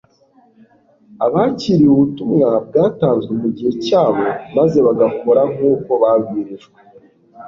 Abakiriye ubutumwa bwatanzwe mu gihe cyabo maze bagakora nk'uko babwirijwe